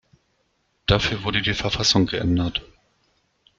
Dafür wurde die Verfassung geändert.